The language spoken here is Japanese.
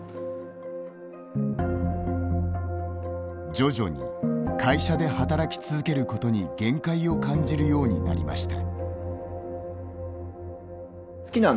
徐々に会社で働き続けることに限界を感じるようになりました。